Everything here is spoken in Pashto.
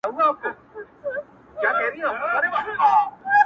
• په هغه ګړي یې جنس وو پیژندلی ,